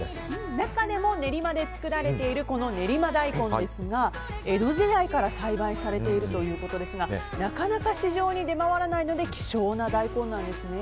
中でも練馬で作られている練馬大根ですが江戸時代から栽培されているということですがなかなか市場に出回らないので希少な大根なんですね。